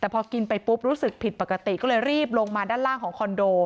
แต่พอกินไปปุ๊บรู้สึกผิดปกติก็เลยรีบลงมาด้านล่างของคอนโด